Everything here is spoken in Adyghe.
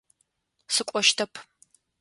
Сыкӏощтэп.